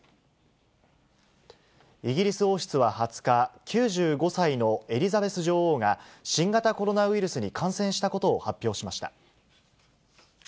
イギリス王室は２０日、９５歳のエリザベス女王が新型コロナウイルスに感染したことを発表しました。